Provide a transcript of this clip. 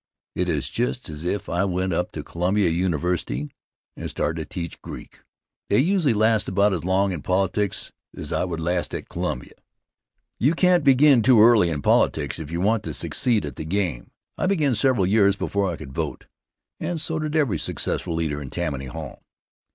It is just as if I went up to Columbia University and started to teach Greek. They usually last about as long in politics as I would last at Columbia. You can't begin too early in politics if you want to succeed at the game. I began several years before I could vote, and so did every successful leader in Tammany Hall.